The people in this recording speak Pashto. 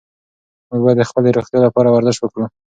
موږ باید د خپلې روغتیا لپاره ورزش وکړو.